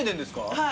はい。